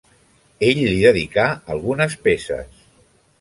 Ell li dedicà algunes peces.